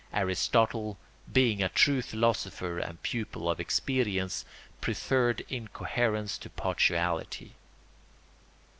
Aristotle, being a true philosopher and pupil of experience, preferred incoherence to partiality.